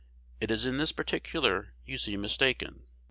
It is in this particular you seem mistaken.